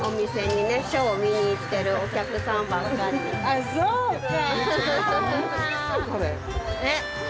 ああそうか！